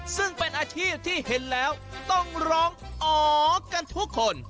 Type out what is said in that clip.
ซึ่งเป็นอาชีพที่เห็นแล้วต้องร้องอ๋อกันทุกคน